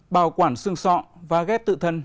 bảo quản xương sọ và ghép tự thân